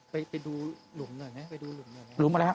ไปดูหลุมหน่อยนะครับ